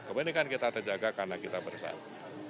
kebenekan kita terjaga karena kita bersatu